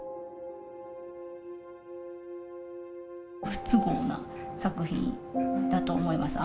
不都合な作品だと思います。